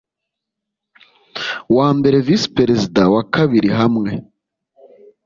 wa mbere Visi Perezida wa Kabiri hamwe